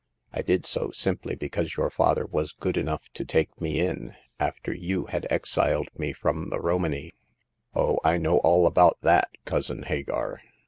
I did so simply because your father was good enough to take me in, after you had exiled me from the Romany/' Oh, I know all about that. Cousin Hagar.